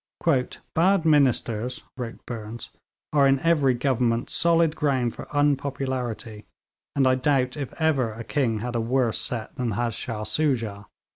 'Bad ministers,' wrote Burnes, 'are in every government solid ground for unpopularity; and I doubt if ever a king had a worse set than has Shah Soojah.'